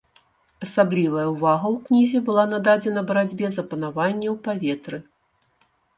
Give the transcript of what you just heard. Асаблівая ўвага ў кнізе была нададзена барацьбе за панаванне ў паветры.